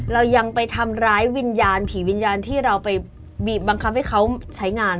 เรายังไปทำร้ายวิญญาณผีวิญญาณที่เราไปบีบบังคับให้เขาใช้งาน